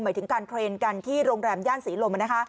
หมายถึงการเทรนกันที่โรงแรมญาณสีลม